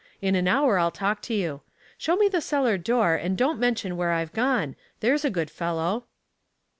In an hour I'll talk to you. Show me the cellar door, and don't mention where I've gone, there's a good fellow."